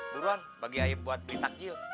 duron bagi ayah buat beli takjil